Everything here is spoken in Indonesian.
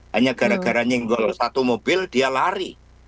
hanya gara garanya yang bawa satu mobil dia lari